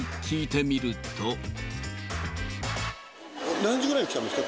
何時ぐらいに来たんですか？